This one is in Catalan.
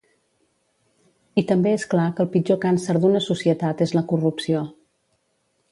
I també és clar que el pitjor càncer d’una societat és la corrupció.